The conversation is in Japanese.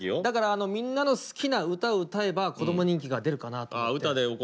だからみんなの好きな歌を歌えば子ども人気が出るかなと思って。